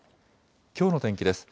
きょうの天気です。